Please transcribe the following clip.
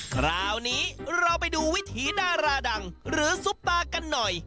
คราวนี้เราไปดูวิถีดาราดังหรือซุปตากันหน่อย